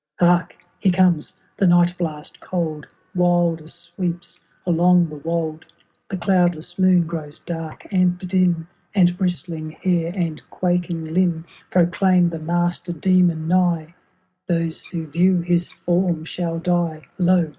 ^ Hark ! he comes ; the night blast cold Wilder sweeps along the wold ; The cloudless moon grows dark and dim, And bristling hair and quaking limb Proclaim the Master Demon nigh, — Those who view his form shall die ! Lo